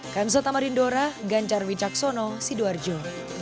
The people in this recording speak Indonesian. kansa tamarindora ganjar wijaksono sidoarjo